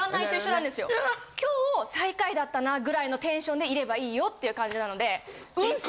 今日最下位だったなぐらいのテンションでいればいいよっていう感じなので運勢です。